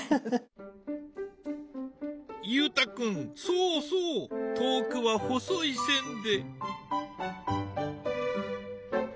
裕太君そうそう遠くは細い線で。